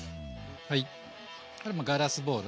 これガラスボウル。